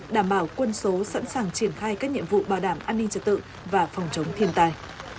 đảm bảo quân số sẵn sàng triển khai các nhiệm vụ bảo đảm an ninh trật tự và phòng chống thiên tài